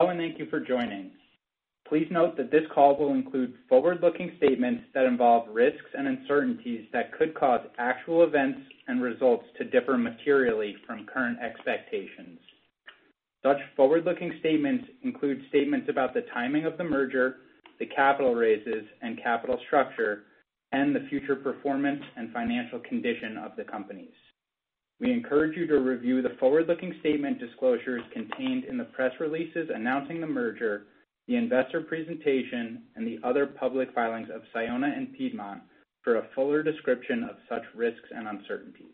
Hello, and thank you for joining. Please note that this call will include forward-looking statements that involve risks and uncertainties that could cause actual events and results to differ materially from current expectations. Such forward-looking statements include statements about the timing of the merger, the capital raises and capital structure, and the future performance and financial condition of the companies. We encourage you to review the forward-looking statement disclosures contained in the press releases announcing the merger, the investor presentation, and the other public filings of Sayona and Piedmont for a fuller description of such risks and uncertainties.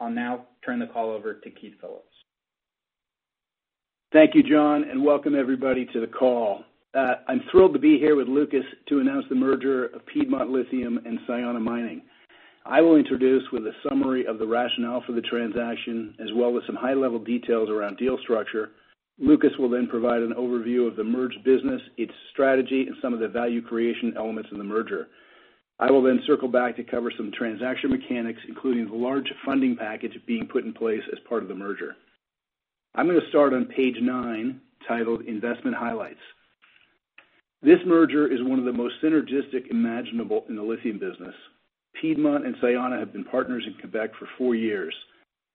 I'll now turn the call over to Keith Phillips. Thank you, John, and welcome everybody to the call. I'm thrilled to be here with Lucas to announce the merger of Piedmont Lithium and Sayona Mining. I will introduce with a summary of the rationale for the transaction, as well as some high-level details around deal structure. Lucas will then provide an overview of the merged business, its strategy, and some of the value creation elements in the merger. I will then circle back to cover some transaction mechanics, including the large funding package being put in place as part of the merger. I'm going to start on page nine, titled Investment Highlights. This merger is one of the most synergistic imaginable in the lithium business. Piedmont and Sayona have been partners in Quebec for four years.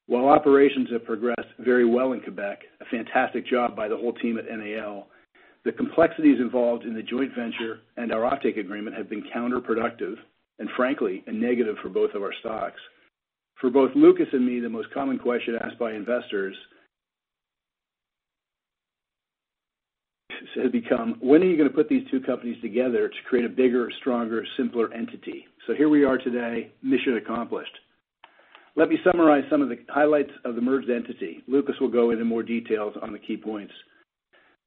While operations have progressed very well in Quebec, a fantastic job by the whole team at NAL, the complexities involved in the joint venture and our offtake agreement have been counterproductive and, frankly, a negative for both of our stocks. For both Lucas and me, the most common question asked by investors has become, "When are you going to put these two companies together to create a bigger, stronger, simpler entity?" So here we are today, mission accomplished. Let me summarize some of the highlights of the merged entity. Lucas will go into more details on the key points.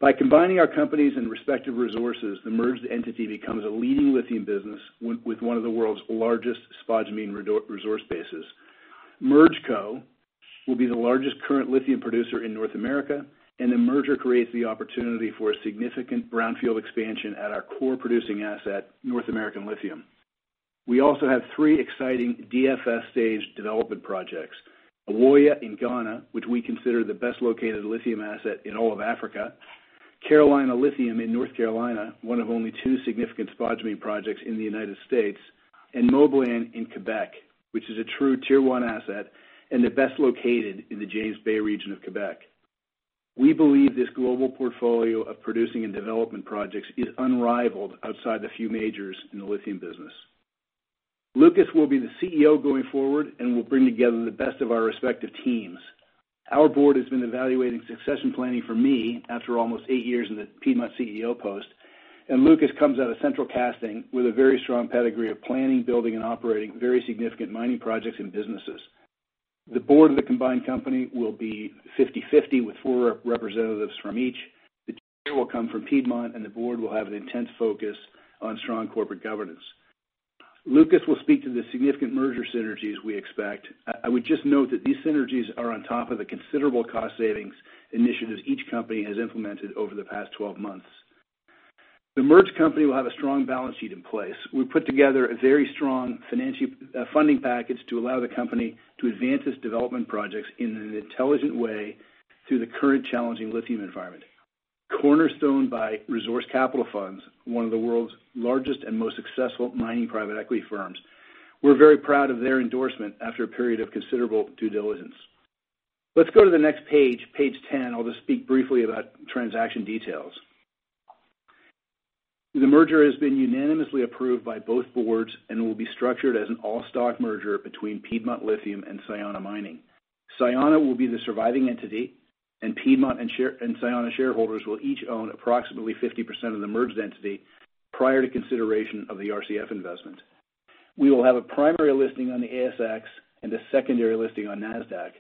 By combining our companies and respective resources, the merged entity becomes a leading lithium business with one of the world's largest spodumene resource bases. MergeCo will be the largest current lithium producer in North America, and the merger creates the opportunity for a significant brownfield expansion at our core producing asset, North American Lithium. We also have three exciting DFS-stage development projects: Ewoyaa in Ghana, which we consider the best located lithium asset in all of Africa; Carolina Lithium in North Carolina, one of only two significant spodumene projects in the United States; and Moblan in Quebec, which is a true tier-one asset and the best located in the James Bay region of Quebec. We believe this global portfolio of producing and development projects is unrivaled outside the few majors in the lithium business. Lucas will be the CEO going forward and will bring together the best of our respective teams. Our board has been evaluating succession planning for me after almost eight years in the Piedmont CEO post, and Lucas comes out of central casting with a very strong pedigree of planning, building, and operating very significant mining projects and businesses. The board of the combined company will be 50/50 with four representatives from each. The chair will come from Piedmont, and the board will have an intense focus on strong corporate governance. Lucas will speak to the significant merger synergies we expect. I would just note that these synergies are on top of the considerable cost savings initiatives each company has implemented over the past 12 months. The merged company will have a strong balance sheet in place. We put together a very strong funding package to allow the company to advance its development projects in an intelligent way through the current challenging lithium environment. Cornerstoned by Resource Capital Funds, one of the world's largest and most successful mining private equity firms, we're very proud of their endorsement after a period of considerable due diligence. Let's go to the next page, page 10. I'll just speak briefly about transaction details. The merger has been unanimously approved by both boards and will be structured as an all-stock merger between Piedmont Lithium and Sayona Mining. Sayona will be the surviving entity, and Piedmont and Sayona shareholders will each own approximately 50% of the merged entity prior to consideration of the RCF investment. We will have a primary listing on the ASX and a secondary listing on Nasdaq.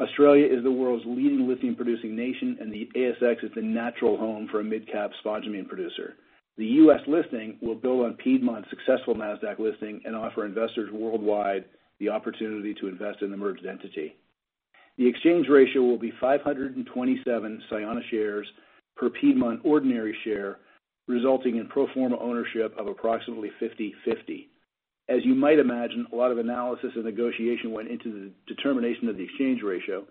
Australia is the world's leading lithium-producing nation, and the ASX is the natural home for a mid-cap spodumene producer. The U.S. listing will build on Piedmont's successful Nasdaq listing and offer investors worldwide the opportunity to invest in the merged entity. The exchange ratio will be 527 Sayona shares per Piedmont ordinary share, resulting in pro forma ownership of approximately 50/50. As you might imagine, a lot of analysis and negotiation went into the determination of the exchange ratio.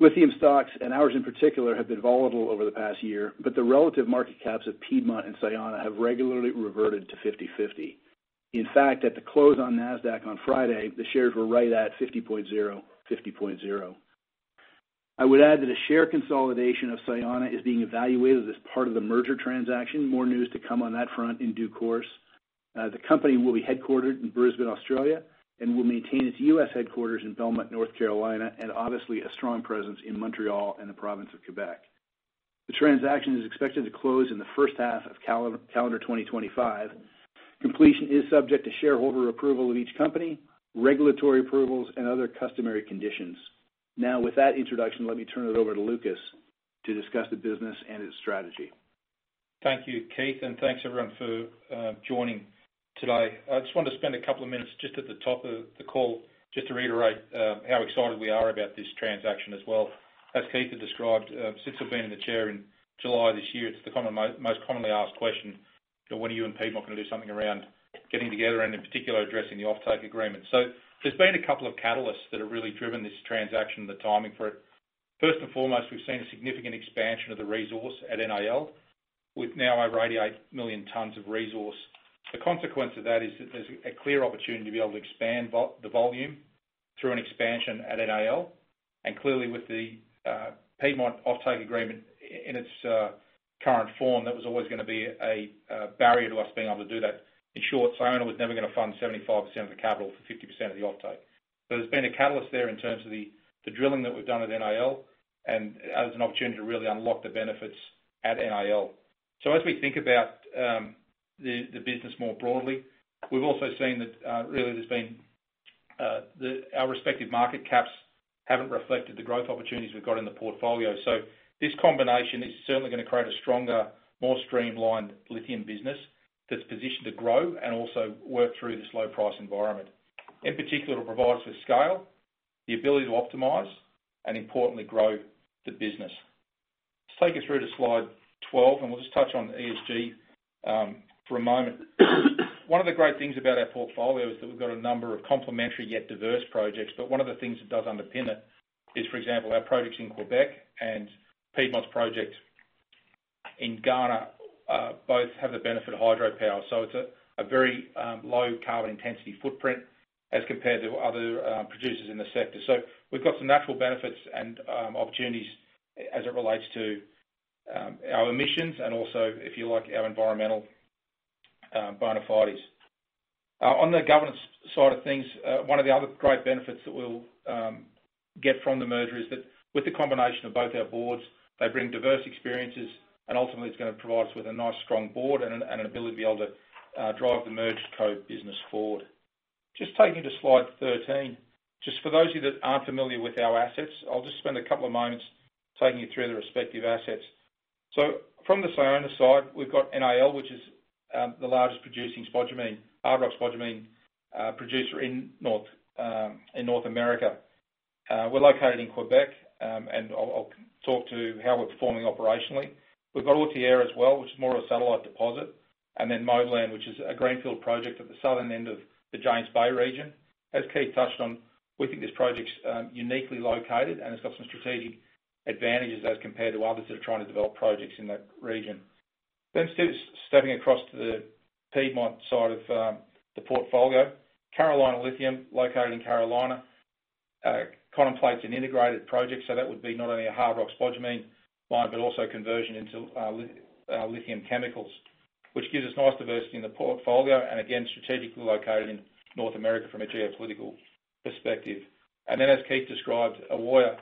Lithium stocks, and ours in particular, have been volatile over the past year, but the relative market caps of Piedmont and Sayona have regularly reverted to 50/50. In fact, at the close on Nasdaq on Friday, the shares were right at 50.0, 50.0. I would add that a share consolidation of Sayona is being evaluated as part of the merger transaction. More news to come on that front in due course. The company will be headquartered in Brisbane, Australia, and will maintain its U.S. headquarters in Belmont, North Carolina, and obviously a strong presence in Montréal and the province of Quebec. The transaction is expected to close in the first half of calendar 2025. Completion is subject to shareholder approval of each company, regulatory approvals, and other customary conditions. Now, with that introduction, let me turn it over to Lucas to discuss the business and its strategy. Thank you, Keith, and thanks everyone for joining today. I just wanted to spend a couple of minutes just at the top of the call just to reiterate how excited we are about this transaction as well. As Keith had described, since I've been in the chair in July this year, it's the most commonly asked question, "When are you and Piedmont going to do something around getting together and, in particular, addressing the offtake agreement?" So there's been a couple of catalysts that have really driven this transaction and the timing for it. First and foremost, we've seen a significant expansion of the resource at NAL with now our 88 million tons of resource. The consequence of that is that there's a clear opportunity to be able to expand the volume through an expansion at NAL. Clearly, with the Piedmont offtake agreement in its current form, that was always going to be a barrier to us being able to do that. In short, Sayona was never going to fund 75% of the capital for 50% of the offtake. There's been a catalyst there in terms of the drilling that we've done at NAL and as an opportunity to really unlock the benefits at NAL. As we think about the business more broadly, we've also seen that really there's been our respective market caps haven't reflected the growth opportunities we've got in the portfolio. This combination is certainly going to create a stronger, more streamlined lithium business that's positioned to grow and also work through this low-price environment. In particular, it'll provide us with scale, the ability to optimize, and importantly, grow the business. Let's take you through to slide 12, and we'll just touch on ESG for a moment. One of the great things about our portfolio is that we've got a number of complementary yet diverse projects, but one of the things that does underpin it is, for example, our projects in Quebec and Piedmont's project in Ghana both have the benefit of hydropower. So it's a very low carbon intensity footprint as compared to other producers in the sector. So we've got some natural benefits and opportunities as it relates to our emissions and also, if you like, our environmental bona fides. On the governance side of things, one of the other great benefits that we'll get from the merger is that with the combination of both our boards, they bring diverse experiences, and ultimately, it's going to provide us with a nice, strong board and an ability to be able to drive the MergedCo-business forward. Just taking you to slide 13, just for those of you that aren't familiar with our assets, I'll just spend a couple of moments taking you through the respective assets. From the Sayona side, we've got NAL, which is the largest producing spodumene, hard rock spodumene producer in North America. We're located in Quebec, and I'll talk to how we're performing operationally. We've got Authier as well, which is more of a satellite deposit, and then Moblan, which is a greenfield project at the southern end of the James Bay region. As Keith touched on, we think this project's uniquely located, and it's got some strategic advantages as compared to others that are trying to develop projects in that region. Then stepping across to the Piedmont side of the portfolio, Carolina Lithium, located in Carolina, contemplates an integrated project. So that would be not only a hard rock spodumene mine, but also conversion into lithium chemicals, which gives us nice diversity in the portfolio and, again, strategically located in North America from a geopolitical perspective. And then, as Keith described, Ewoyaa,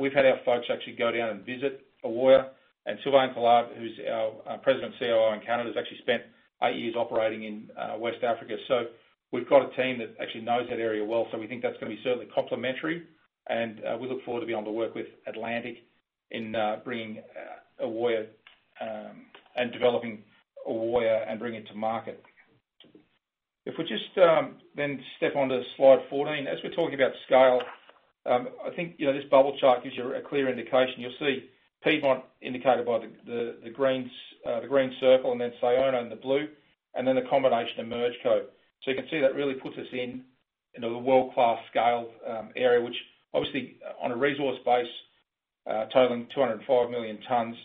we've had our folks actually go down and visit Ewoyaa, and Sylvain Collard, who's our President and COO in Canada, has actually spent eight years operating in West Africa. So we've got a team that actually knows that area well. So we think that's going to be certainly complementary, and we look forward to being able to work with Atlantic in bringing Ewoyaa and developing Ewoyaa and bringing it to market. If we just then step on to slide 14, as we're talking about scale, I think this bubble chart gives you a clear indication. You'll see Piedmont indicated by the green circle and then Sayona in the blue, and then the combination of MergeCo. So you can see that really puts us in the world-class scale area, which obviously, on a resource base totaling 205 million tons,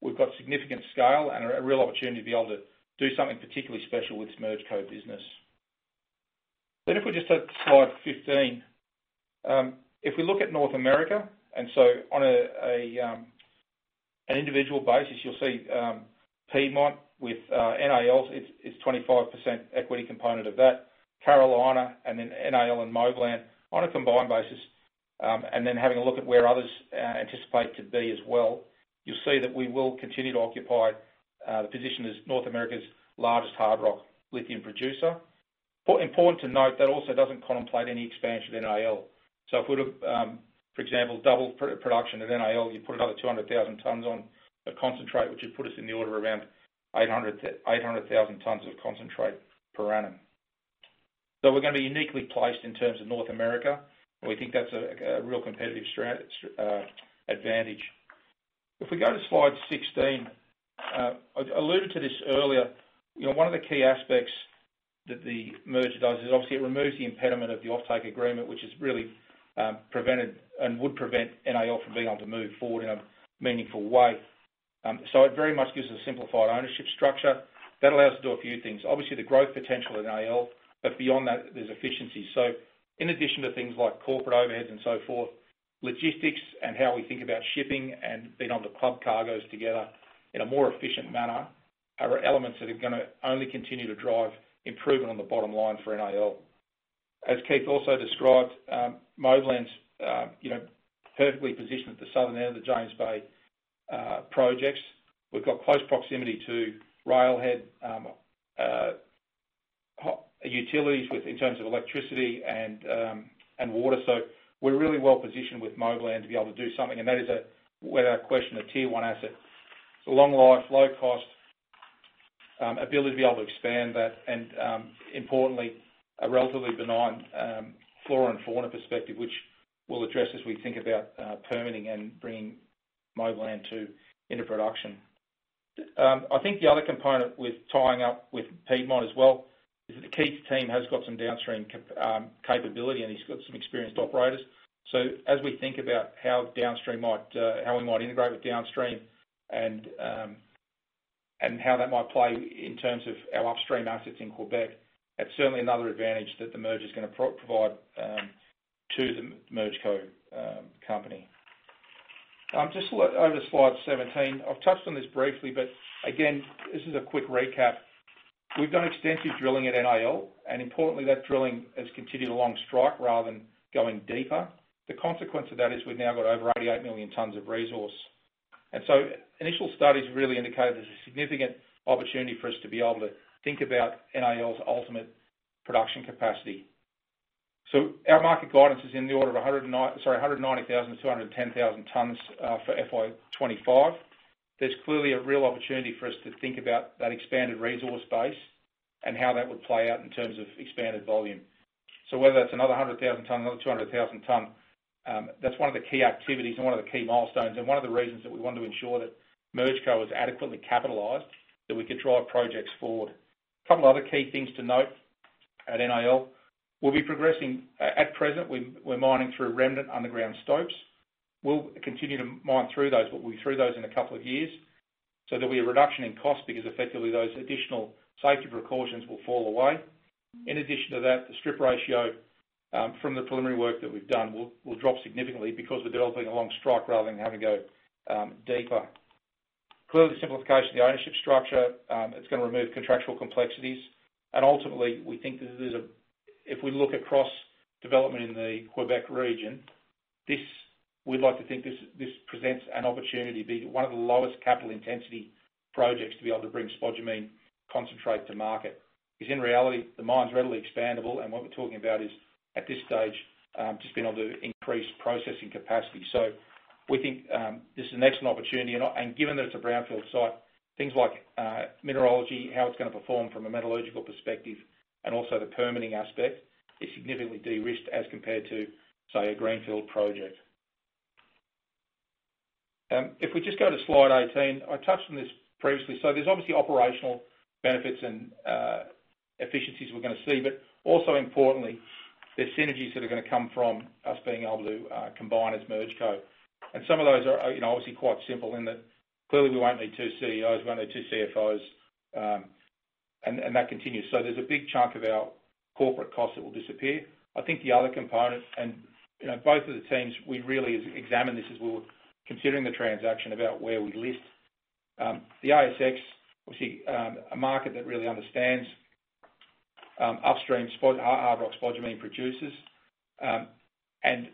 we've got significant scale and a real opportunity to be able to do something particularly special with this MergeCo business. Then if we just take slide 15, if we look at North America, and so on an individual basis, you'll see Piedmont with NAL. It's 25% equity component of that, Carolina, and then NAL and Moblan on a combined basis. And then having a look at where others anticipate to be as well, you'll see that we will continue to occupy the position as North America's largest hard rock lithium producer. Important to note, that also doesn't contemplate any expansion at NAL. So if we were, for example, double production at NAL, you'd put another 200,000 tons of concentrate, which would put us in the order of around 800,000 tons of concentrate per annum. So we're going to be uniquely placed in terms of North America, and we think that's a real competitive advantage. If we go to slide 16, I alluded to this earlier. One of the key aspects that the merger does is obviously it removes the impediment of the offtake agreement, which has really prevented and would prevent NAL from being able to move forward in a meaningful way. So it very much gives us a simplified ownership structure that allows us to do a few things. Obviously, the growth potential at NAL, but beyond that, there's efficiencies. So in addition to things like corporate overheads and so forth, logistics and how we think about shipping and being able to club cargoes together in a more efficient manner are elements that are going to only continue to drive improvement on the bottom line for NAL. As Keith also described, Moblan's perfectly positioned at the southern end of the James Bay projects. We've got close proximity to railhead utilities in terms of electricity and water. So we're really well positioned with Moblan to be able to do something, and that is a question of tier-one asset. It's a long life, low cost, ability to be able to expand that, and importantly, a relatively benign flora and fauna perspective, which we'll address as we think about permitting and bringing Moblan into production. I think the other component with tying up with Piedmont as well is that the Keith team has got some downstream capability, and he's got some experienced operators. So as we think about how we might integrate with downstream and how that might play in terms of our upstream assets in Quebec, that's certainly another advantage that the merger is going to provide to the MergeCo company. Just over to slide 17, I've touched on this briefly, but again, this is a quick recap. We've done extensive drilling at NAL, and importantly, that drilling has continued along strike rather than going deeper. The consequence of that is we've now got over 88 million tons of resource, and so initial studies really indicated there's a significant opportunity for us to be able to think about NAL's ultimate production capacity, so our market guidance is in the order of 190,000-210,000 tons for FY25. There's clearly a real opportunity for us to think about that expanded resource base and how that would play out in terms of expanded volume, so whether that's another 100,000 tons, another 200,000 tons, that's one of the key activities and one of the key milestones, and one of the reasons that we want to ensure that MergeCo is adequately capitalized, that we could drive projects forward. A couple of other key things to note at NAL: we'll be progressing at present. We're mining through remnant underground stopes. We'll continue to mine through those, but we'll be through those in a couple of years so there'll be a reduction in cost because effectively those additional safety precautions will fall away. In addition to that, the strip ratio from the preliminary work that we've done will drop significantly because we're developing along strike rather than having to go deeper. Clearly, simplification of the ownership structure, it's going to remove contractual complexities. And ultimately, we think that if we look across development in the Quebec region, we'd like to think this presents an opportunity to be one of the lowest capital intensity projects to be able to bring spodumene concentrate to market. Because in reality, the mine's readily expandable, and what we're talking about is, at this stage, just being able to increase processing capacity. So we think this is an excellent opportunity, and given that it's a brownfield site, things like mineralogy, how it's going to perform from a metallurgical perspective, and also the permitting aspect is significantly de-risked as compared to, say, a greenfield project. If we just go to slide 18, I touched on this previously, so there's obviously operational benefits and efficiencies we're going to see, but also importantly, there's synergies that are going to come from us being able to combine as MergeCo. And some of those are obviously quite simple in that clearly we won't need two CEOs, we won't need two CFOs, and that continues, so there's a big chunk of our corporate costs that will disappear. I think the other component, and both of the teams, we really examined this as we were considering the transaction about where we list. The ASX, obviously a market that really understands upstream hard rock spodumene producers, and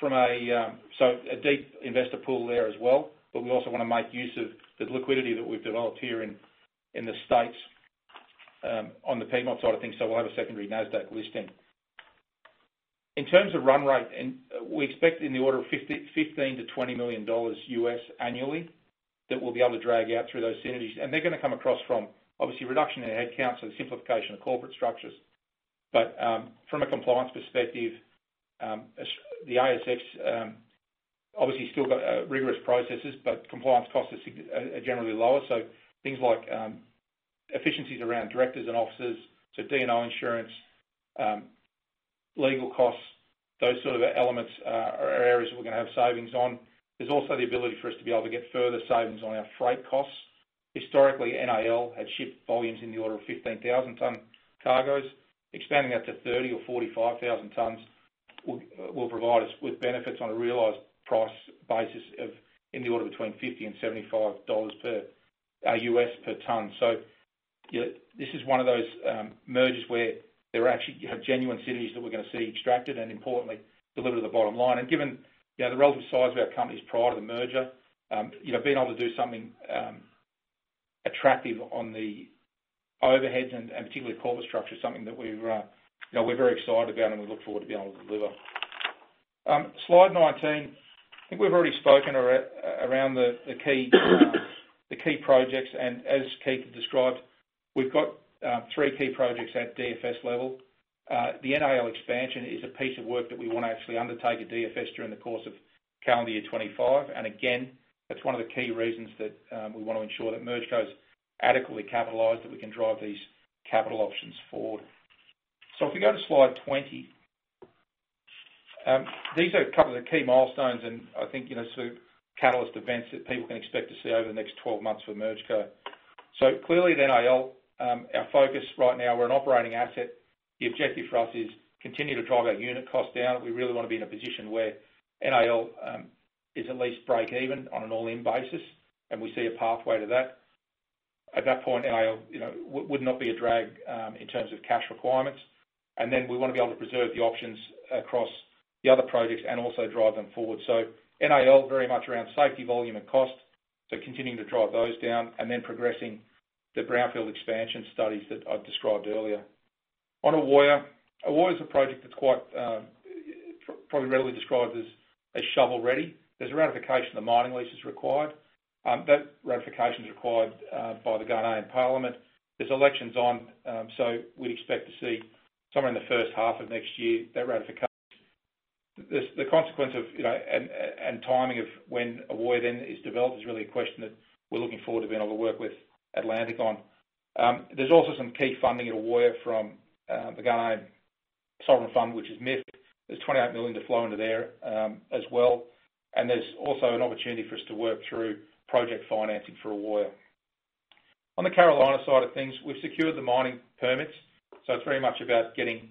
so a deep investor pool there as well, but we also want to make use of the liquidity that we've developed here in the States on the Piedmont side of things, so we'll have a secondary Nasdaq listing. In terms of run rate, we expect in the order of $15-20 million annually that we'll be able to drag out through those synergies, and they're going to come across from obviously reduction in headcount, so the simplification of corporate structures, but from a compliance perspective, the ASX obviously still got rigorous processes, but compliance costs are generally lower. So things like efficiencies around directors and officers, so D&O insurance, legal costs, those sort of elements are areas we're going to have savings on. There's also the ability for us to be able to get further savings on our freight costs. Historically, NAL had shipped volumes in the order of 15,000-ton cargoes. Expanding that to 30,000 tons or 45,000 tons will provide us with benefits on a realized price basis of in the order between $50-$75 per U.S. ton. So this is one of those mergers where there are actually genuine synergies that we're going to see extracted and importantly delivered to the bottom line. Given the relative sizes of our companies prior to the merger, being able to do something attractive on the overheads and particularly corporate structure is something that we're very excited about and we look forward to being able to deliver. Slide 19, I think we've already spoken around the key projects. As Keith described, we've got three key projects at DFS level. The NAL expansion is a piece of work that we want to actually undertake at DFS during the course of calendar year 2025. Again, that's one of the key reasons that we want to ensure that MergeCo is adequately capitalized, that we can drive these capital options forward. If we go to slide 20, these are a couple of the key milestones and I think sort of catalyst events that people can expect to see over the next 12 months for MergeCo. Clearly at NAL, our focus right now, we're an operating asset. The objective for us is to continue to drive our unit cost down. We really want to be in a position where NAL is at least break-even on an all-in basis, and we see a pathway to that. At that point, NAL would not be a drag in terms of cash requirements. We want to be able to preserve the options across the other projects and also drive them forward. NAL very much around safety, volume, and cost, so continuing to drive those down and then progressing the brownfield expansion studies that I've described earlier. On Ewoyaa, Ewoyaa is a project that's probably readily described as shovel-ready. There's a ratification of the mining leases required. That ratification is required by the Ghanaian Parliament. There's elections on, so we'd expect to see somewhere in the first half of next year that ratification. The consequence of and timing of when Ewoyaa then is developed is really a question that we're looking forward to being able to work with Atlantic on. There's also some key funding at Ewoyaa from the Ghanaian sovereign fund, which is MIIF. There's $28 million to flow into there as well, and there's also an opportunity for us to work through project financing for Ewoyaa. On the Carolina side of things, we've secured the mining permits, so it's very much about getting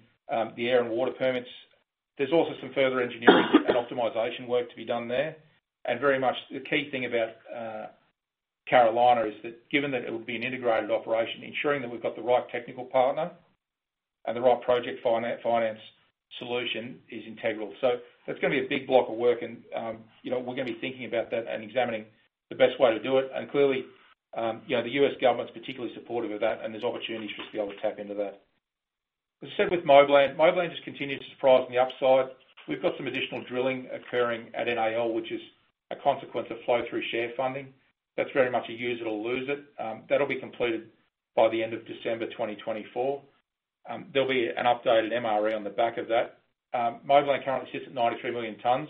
the air and water permits. There's also some further engineering and optimization work to be done there. Very much the key thing about Carolina is that given that it will be an integrated operation, ensuring that we've got the right technical partner and the right project finance solution is integral. That's going to be a big block of work, and we're going to be thinking about that and examining the best way to do it. Clearly, the U.S. government's particularly supportive of that, and there's opportunities for us to be able to tap into that. As I said with Moblan, Moblan just continues to surprise on the upside. We've got some additional drilling occurring at NAL, which is a consequence of flow-through share funding. That's very much a use it or lose it. That'll be completed by the end of December 2024. There'll be an updated MRE on the back of that. Moblan currently sits at 93 million tons,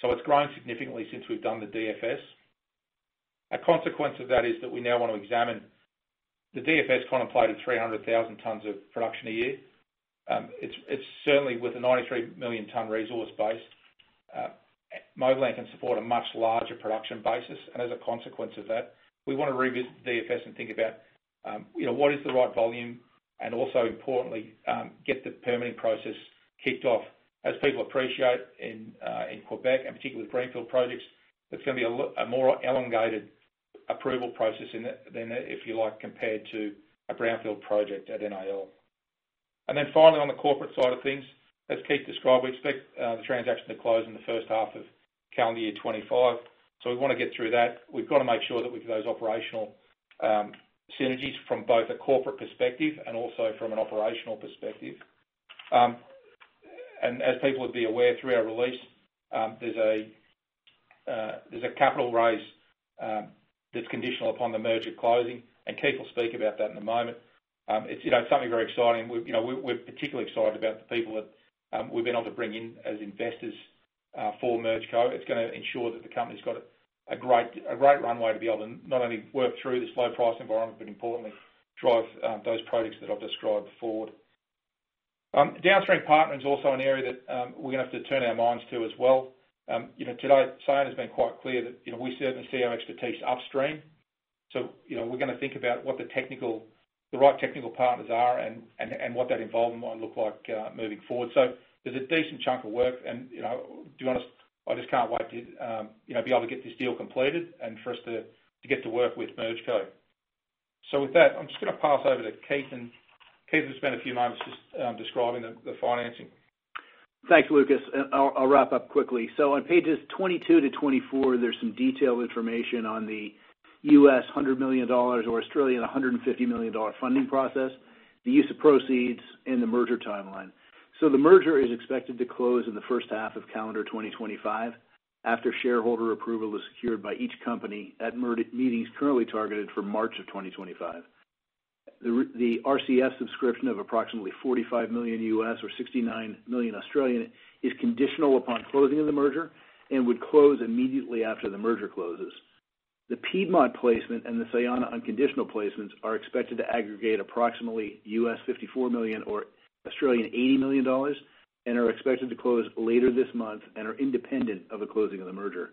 so it's grown significantly since we've done the DFS. A consequence of that is that we now want to examine the DFS contemplated 300,000 tons of production a year. It's certainly with a 93 million ton resource base. Moblan can support a much larger production basis. And as a consequence of that, we want to revisit the DFS and think about what is the right volume and also, importantly, get the permitting process kicked off. As people appreciate in Quebec, and particularly with greenfield projects, it's going to be a more elongated approval process than if you like compared to a brownfield project at NAL. And then finally, on the corporate side of things, as Keith described, we expect the transaction to close in the first half of calendar year 2025. So we want to get through that. We've got to make sure that we get those operational synergies from both a corporate perspective and also from an operational perspective. And as people would be aware, through our release, there's a capital raise that's conditional upon the merger closing. And Keith will speak about that in a moment. It's something very exciting. We're particularly excited about the people that we've been able to bring in as investors for MergeCo. It's going to ensure that the company's got a great runway to be able to not only work through this low-price environment, but importantly, drive those projects that I've described forward. Downstream partner is also an area that we're going to have to turn our minds to as well. Today, Sayona has been quite clear that we certainly see our expertise upstream. So we're going to think about what the right technical partners are and what that involvement might look like moving forward. So there's a decent chunk of work. And to be honest, I just can't wait to be able to get this deal completed and for us to get to work with MergeCo. So with that, I'm just going to pass over to Keith. And Keith will spend a few moments just describing the financing. Thanks, Lucas. I'll wrap up quickly. On pages 22-24, there's some detailed information on the $100 million or 150 million Australian dollars funding process, the use of proceeds, and the merger timeline. The merger is expected to close in the first half of calendar 2025 after shareholder approval is secured by each company at meetings currently targeted for March of 2025. The RCF subscription of approximately 45 million USD or 69 million is conditional upon closing of the merger and would close immediately after the merger closes. The Piedmont placement and the Sayona unconditional placements are expected to aggregate approximately $54 million or 80 million Australian dollars and are expected to close later this month and are independent of the closing of the merger.